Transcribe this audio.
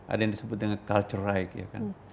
ada yang disebut dengan culture right ya kan